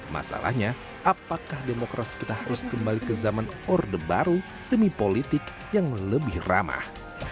masalahnya apakah demokrasi kita harus kembali ke zaman orde baru demi politik yang lebih ramah